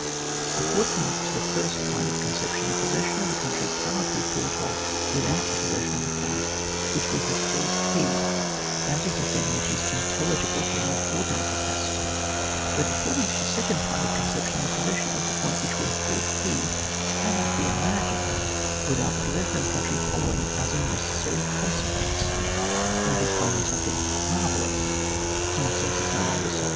Accord ing to the first kind of conception the possession of the country cannot be thought of without the possession of the point which we have called key; that is a thing which is intelligible to the most ordinary capacity : but according to the second kind of conception, the posses sion of the point which we have called key, cannot be imagined without the pos session of the country following as a necessary consequence; that is plainly, something marvellous, common sense is no longer sufiQ.